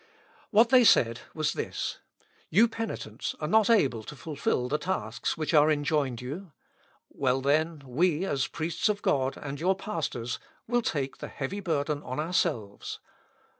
What they said was this: "You penitents are not able to fulfil the tasks which are enjoined you? Well, then, we, priests of God, and your pastors, will take the heavy burden on ourselves.